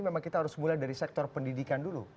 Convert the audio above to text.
memang kita harus mulai dari sektor pendidikan dulu